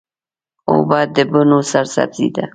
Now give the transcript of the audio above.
اوبه د بڼو سرسبزي ده.